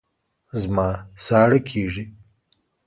زما ساړه کېږي